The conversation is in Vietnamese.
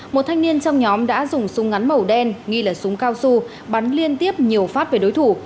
một thanh niên trong nhóm đã dùng súng ngắn màu đen nghi là súng cao su bắn liên tiếp nhiều phát về đối thủ